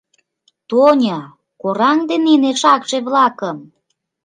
— Тоня, кораҥде нине шакше-влакым!